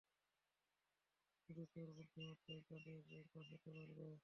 শুধু তোর বুদ্ধিমত্তাই তাদের বাঁচাতে পারবে।